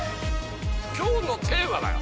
今日のテーマだよ。